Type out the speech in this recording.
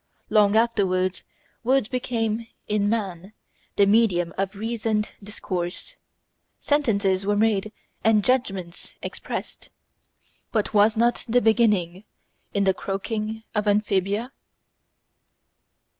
Long afterwards, words became in man the medium of reasoned discourse. Sentences were made and judgments expressed. But was not the beginning in the croaking of Amphibia?